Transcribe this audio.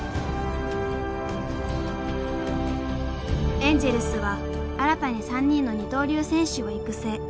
エンジェルスは新たに３人の二刀流選手を育成。